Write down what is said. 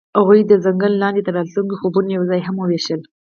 هغوی د ځنګل لاندې د راتلونکي خوبونه یوځای هم وویشل.